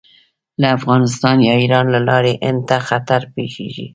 له افغانستان یا ایران له لارې هند ته خطر پېښوي.